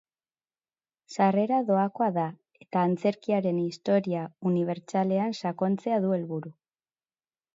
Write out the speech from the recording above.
Sarrera doakoa da eta antzerkiaren historia unibertsalean sakontzea du helburu.